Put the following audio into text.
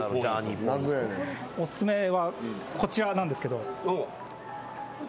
お薦めはこちらなんですけど。